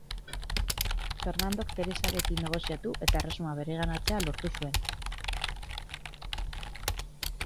Fernandok Teresarekin negoziatu eta Erresuma bereganatzea lortu zuen.